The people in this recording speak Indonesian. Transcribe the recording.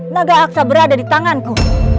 naga aksa berada di tanganku